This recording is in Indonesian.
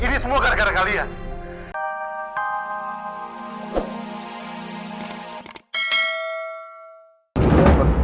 ini semua gara gara kalian